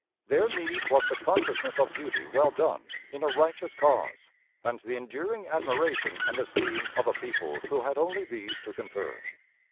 Their meed was the consciousness of duty well done in a righteous cause, and the enduring admiration and esteem of a people who had only these to confer.